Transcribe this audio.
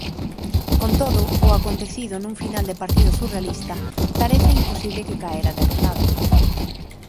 Con todo, o acontecido nun final de partido surrealista, parece imposible que caera derrotado.